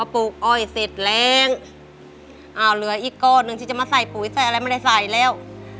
ปลูกอ้อยเสร็จแรงอ้าวเหลืออีกก้อนหนึ่งที่จะมาใส่ปุ๋ยใส่อะไรไม่ได้ใส่แล้ว